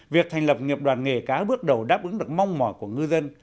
việc thành lập nghiệp đoàn nghề cá bước đầu đáp ứng được mong mỏi của ngư dân